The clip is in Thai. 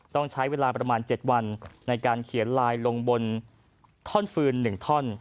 ต้องใช้เวลาประมาณ๗วันในการเขียนลายลงบนท่อนฟืน๑ท่อน